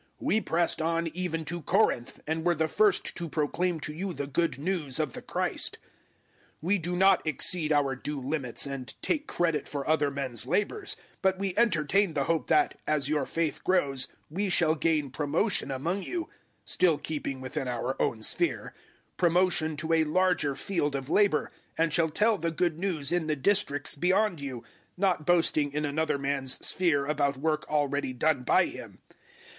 We pressed on even to Corinth, and were the first to proclaim to you the Good News of the Christ. 010:015 We do not exceed our due limits, and take credit for other men's labours; but we entertain the hope that, as your faith grows, we shall gain promotion among you still keeping within our own sphere promotion to a larger field of labour, 010:016 and shall tell the Good News in the districts beyond you, not boasting in another man's sphere about work already done by him.